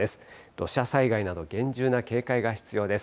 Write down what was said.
土砂災害など厳重な警戒が必要です。